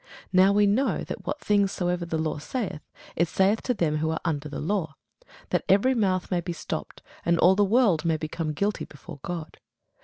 Now we know that what things soever the law saith, it saith to them who are under the law: that every mouth may be stopped, and all the world may become guilty before God.